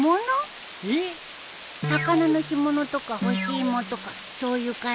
魚の干物とか干し芋とかそういう感じ？